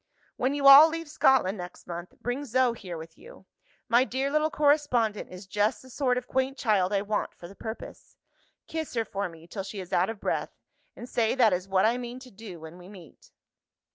"When you all leave Scotland next month, bring Zo here with you. My dear little correspondent is just the sort of quaint child I want for the purpose. Kiss her for me till she is out of breath and say that is what I mean to do when we meet."